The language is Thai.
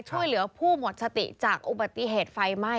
ช่วยเหลือผู้หมดสติจากอุบัติเหตุไฟไหม้